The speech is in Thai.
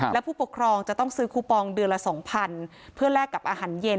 และผู้ปกครองจะต้องซื้อคูปองเดือนละ๒๐๐เพื่อแลกกับอาหารเย็น